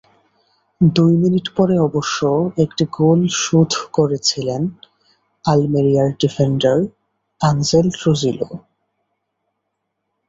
দুই মিনিট পরে অবশ্য একটি গোল শোধ করেছিলেন আলমেরিয়ার ডিফেন্ডার অ্যাঞ্জেল ট্রুজিলো।